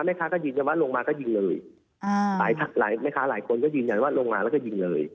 แม่คะก็ยิงอย่างนี้